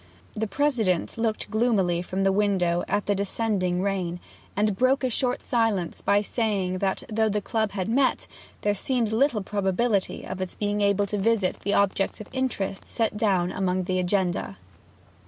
The President looked gloomily from the window at the descending rain, and broke a short silence by saying that though the Club had met, there seemed little probability of its being able to visit the objects of interest set down among the agenda.